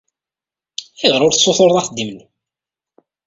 Ayɣer ur tessutureḍ axeddim-nni?